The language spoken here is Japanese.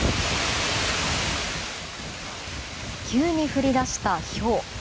急に降り出したひょう。